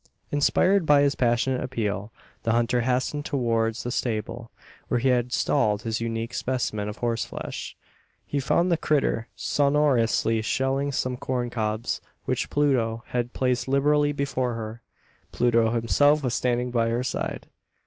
Inspired by this passionate appeal, the hunter hastened towards the stable, where he had stalled his unique specimen of horseflesh. He found the "critter" sonorously shelling some corn cobs, which Pluto had placed liberally before her. Pluto himself was standing by her side.